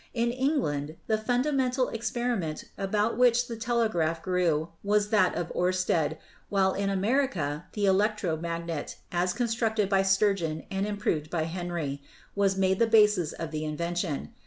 In England the fundamental experiment about which the telegraph grew was that of Oersted; while in America the electro magnet, as constructed by Sturgeon and improved by Henry, was made the basis of the invention.